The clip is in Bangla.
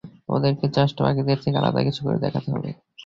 আমাদেরকে জাস্ট বাকিদের থেকে আলাদা কিছু করে দেখাতে হবে।